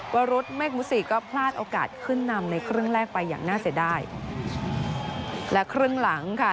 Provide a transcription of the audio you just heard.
วรุษเมฆมุสี่ก็พลาดโอกาสขึ้นนำในครึ่งแรกไปอย่างน่าเสียดายและครึ่งหลังค่ะ